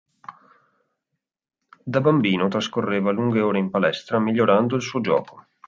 Da bambino trascorreva lunghe ore in palestra migliorando il suo gioco.